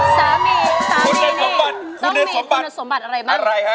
สามีนี่ต้องมีคุณสมบัติอะไรไหม